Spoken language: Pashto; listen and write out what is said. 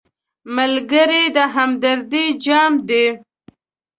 ملګری د همدردۍ جام دی